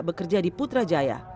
bekerja di putrajaya